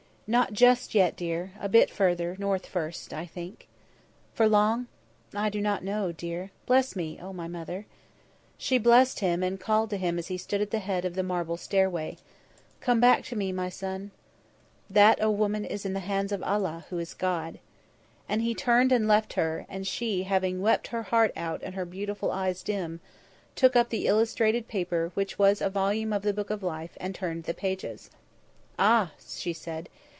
"Not just yet, dear; a bit further North first, I think." "For long?" "I do not know, dear. Bless me, O my mother." She blessed him and called to him as he stood at the head of the marble stairway: "Come back to me, my son!" "That, O woman, is in the hands of Allah, who is God." And he turned and left her, and she, having wept her heart out and her beautiful eyes dim, took up the illustrated paper which was a volume of the Book of Life, and turned the pages. "Ah!" she said.